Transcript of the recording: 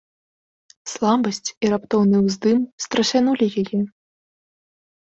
Слабасць і раптоўны ўздым страсянулі яе.